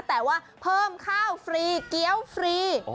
แต่ว่าเพิ่มข้าวฟรีเกี้ยวฟรี